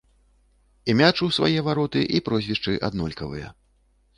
І мяч у свае вароты, і прозвішчы аднолькавыя.